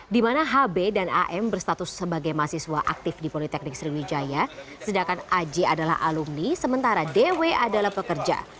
di mana hb dan am berstatus sebagai mahasiswa aktif di politeknik sriwijaya sedangkan aj adalah alumni sementara dw adalah pekerja